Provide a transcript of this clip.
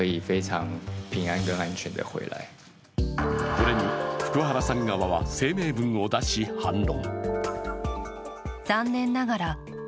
これに福原さん側は声明文を出し反論。